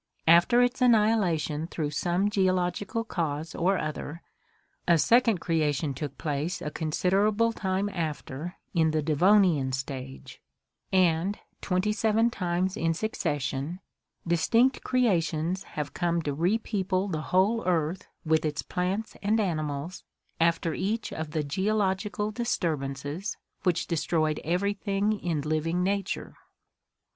After its annihilation through some geological cause or other, a second crea tion took place a considerable time after in the Devonian stage, and, twenty seven times in succession, distinct creations have come to re people the whole earth with its plants and animals after each of the geological disturbances which destroyed everything in living nature.